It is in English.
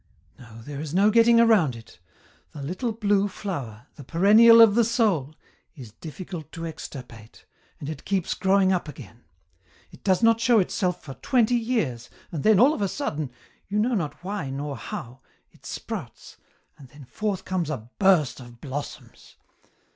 "No, there is no getting around it. The little blue flower, the perennial of the soul, is difficult to extirpate, and it keeps growing up again. It does not show itself for twenty years, and then all of a sudden, you know not why nor how, it sprouts, and then forth comes a burst of blossoms.